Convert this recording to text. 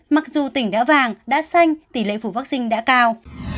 mặc dù tỉnh đã vàng đã xanh tỷ lệ phủ vaccine đã cao